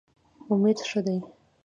امید ښه دی.